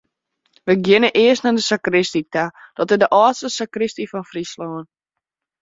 We geane earst nei de sakristy ta, dat is de âldste sakristy fan Fryslân.